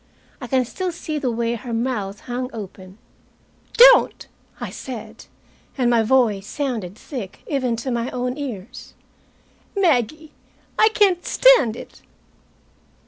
I can still see the way her mouth hung open. "Don't!" I said. And my voice sounded thick even to my own ears. "Maggie I can't stand it!"